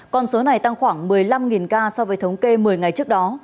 con số này tăng khoảng một mươi năm ca so với thống kê một mươi ngày trước đó